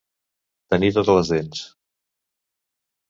Tenir totes les dents.